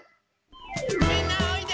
みんなおいで！